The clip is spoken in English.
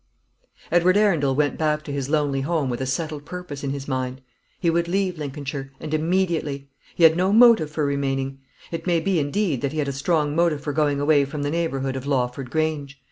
Edward Arundel went back to his lonely home with a settled purpose in his mind. He would leave Lincolnshire, and immediately. He had no motive for remaining. It may be, indeed, that he had a strong motive for going away from the neighbourhood of Lawford Grange.